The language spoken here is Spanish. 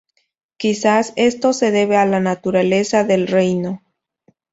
Quizás esto se debe a la naturaleza del reino.